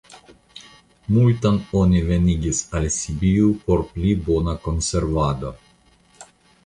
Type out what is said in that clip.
Multon oni venigis al Sibiu por pli bona konservado.